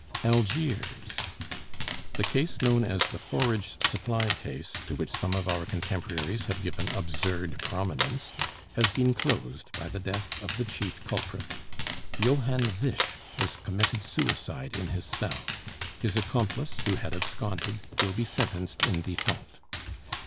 "ALGIERS. The case known as the forage supply case, to which some of our contemporaries have given absurd prominence, has been closed by the death of the chief culprit. Johann Wisch has committed suicide in his cell; his accomplice, who had absconded, will be sentenced in default.